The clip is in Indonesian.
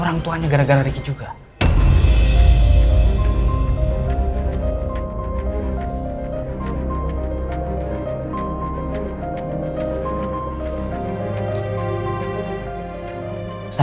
orang tua itu hanya tidak tersiesimu dengan kini